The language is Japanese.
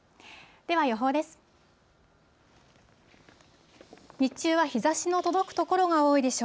では予報です。